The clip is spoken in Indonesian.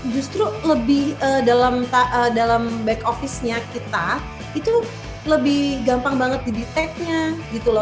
justru lebih dalam back office nya kita itu lebih gampang banget dideteknya gitu loh